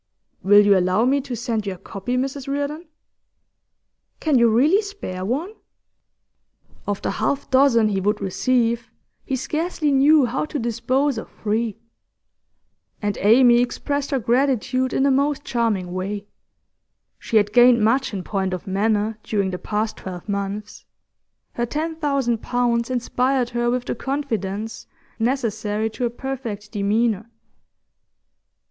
'Will you allow me to send you a copy, Mrs Reardon?' 'Can you really spare one?' Of the half dozen he would receive, he scarcely knew how to dispose of three. And Amy expressed her gratitude in the most charming way. She had gained much in point of manner during the past twelve months; her ten thousand pounds inspired her with the confidence necessary to a perfect demeanour.